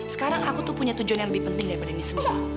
sekarang aku tuh punya tujuan yang lebih penting daripada ini semua